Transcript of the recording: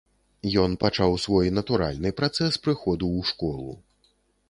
Ён пачаў свой натуральны працэс прыходу ў школу.